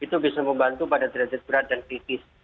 itu bisa membantu pada derajat berat dan kritis